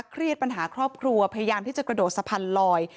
เครียดปัญหาครอบครัวพยายามที่จะกระโดดสะพานลอย